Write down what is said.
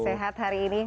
sehat hari ini